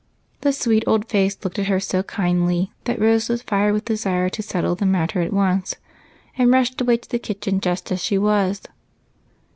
The sweet old face looked at her so kindly that Rose was fired with a desire to settle the matter at once, and rushed away to the kitchen just as she was.